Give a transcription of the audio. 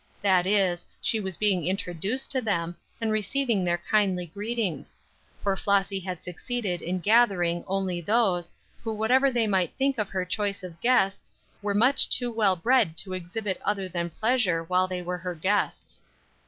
That is, she was being introduced to them, and receiving their kindly greetings; for Flossy had succeeded in gathering only those, who whatever they might think of her choice of guests, were much too well bred to exhibit other than pleasure while they were her guests.